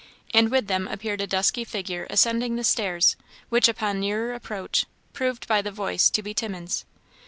And with them appeared a dusky figure ascending the stairs, which, upon nearer approach, proved by the voice to be Timmins.